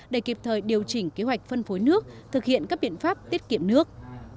để kịp thời điều chỉnh kế hoạch phân phối nước thực hiện các biện pháp tiết kiệm nước